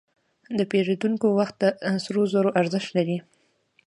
د پیرودونکي وخت د سرو زرو ارزښت لري.